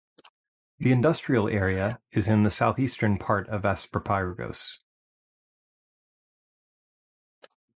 The industrial area is in the southeastern part of Aspropyrgos.